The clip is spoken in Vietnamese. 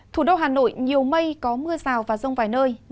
thủ đô hà nội nhiều mây có mưa rào và rông vài nơi